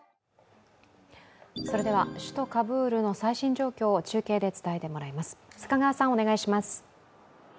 それでは首都カブールの最新状況を中継で伝えてもらいます。